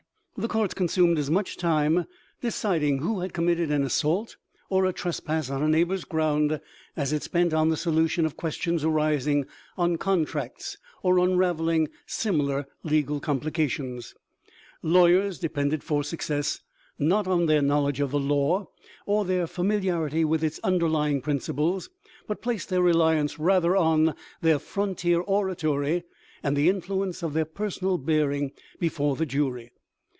The courts con sumed as much time deciding who had committed THE LIFE OF LINCOLN. 1 87 an assault or a trespass on a neighbor's ground, as it spent in the solution of questions arising on con tracts, or unravelling similar legal complications. Lawyers depended for success, not on their knowl edge of the law or their familiarity with its under lying principles, but placed their reliance rather on their frontier oratory and the influence of their personal bearing before the jury.